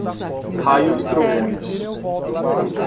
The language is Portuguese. Raios e trovões